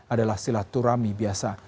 adalah silaturahmi biasa